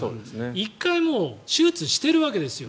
１回もう手術しているわけですよ。